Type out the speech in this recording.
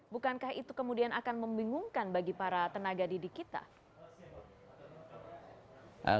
bukankah itu kemudian akan membingungkan bagi para tenaga didik kita